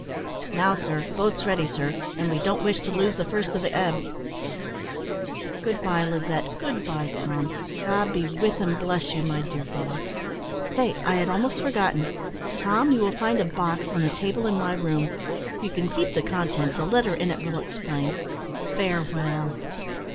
"Now, sir, boat's ready, sir; and we don't wish to lose the first of the ebb." "Good bye, Lizette good bye, Tom! God be with and bless you, my dear fellow! Stay, I had almost forgotten. Tom, you will find a box on the table in my room; you can keep the contents a letter in it will explain. Farewell!"